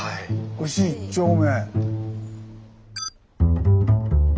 「忍一丁目」。